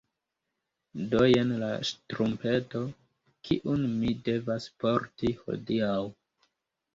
Do jen la ŝtrumpeto, kiun mi devas porti hodiaŭ.